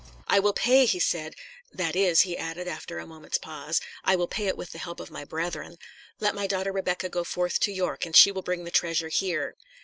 "I will pay!" he said. "That is," he added, after a moment's pause, "I will pay it with the help of my brethren. Let my daughter Rebecca go forth to York, and she will bring the treasure here."